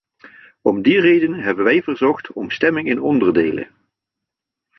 Om die reden hebben wij verzocht om stemming in onderdelen.